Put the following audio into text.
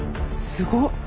すごっ！